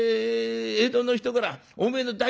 江戸の人からおめえの大好物だ。